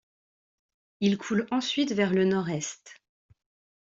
Il coule ensuite vers le nord-est.